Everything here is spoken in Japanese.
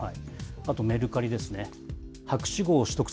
あとメルカリですね。